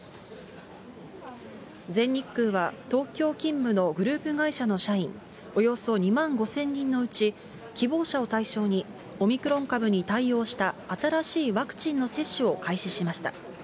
全日空は東京勤務のグループ会社の社員およそ２万５０００人のうち、希望者を対象にオミクロン株に対応した、新しいワクチンの接種を開始しました。